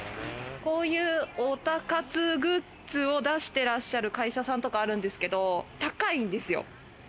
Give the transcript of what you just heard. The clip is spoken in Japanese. こういうオタ活グッズを出してらっしゃる会社さんとかあるんですけど、高いんですよ。